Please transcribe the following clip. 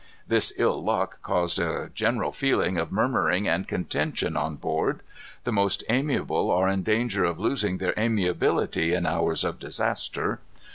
This ill luck caused a general feeling of murmuring and contention on board. The most amiable are in danger of losing their amiability in hours of disaster.